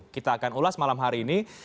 kita akan ulas malam hari ini